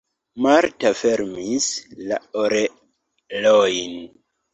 Marta fermis la orelojn.